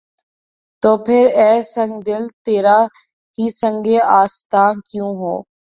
تو پھر‘ اے سنگ دل! تیرا ہی سنگِ آستاں کیوں ہو؟